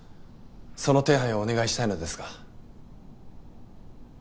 その手配をお願いしたいのですが。